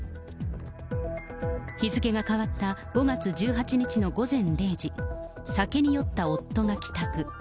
日付が変わった５月１８日の午前０時、酒に酔った夫が帰宅。